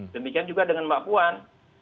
demikian juga dengan mbak puan